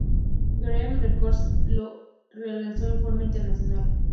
Geffen Records lo relanzó en forma internacional.